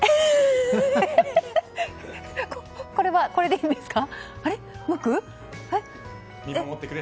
これはこれでいいんですか？